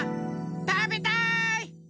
たべたい！